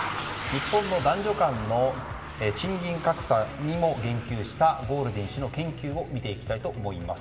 日本の男女間の賃金格差にも言及したゴールディン氏の研究を見ていきたいと思います。